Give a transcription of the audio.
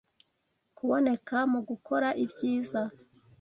kuboneka mu gukora ibyiza